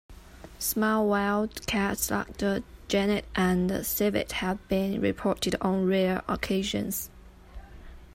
Small wild cats like the genet and civet have been reported on rare occasions.